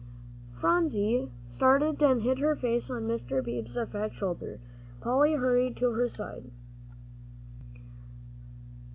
Phronsie started and hid her face on Mr. Beebe's fat shoulder. Polly hurried to her side.